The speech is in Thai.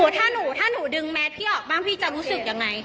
ถ้าหนูถ้าหนูดึงแมสพี่ออกบ้างพี่จะรู้สึกยังไง